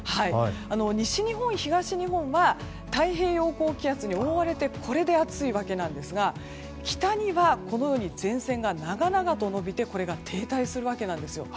西日本、東日本は太平洋高気圧に覆われてこれで暑いわけなんですが北には、前線が長々と延びてこれが停滞するわけなんです。